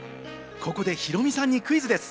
ここでヒロミさんにクイズです。